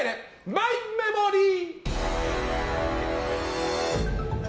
マイメモリー！